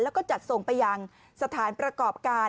แล้วก็จัดส่งไปยังสถานประกอบการ